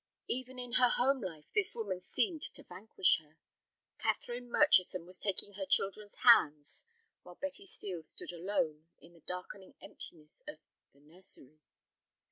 Even in her home life this woman seemed to vanquish her. Catherine Murchison was taking her children's hands, while Betty Steel stood alone in the darkening emptiness of the "nursery."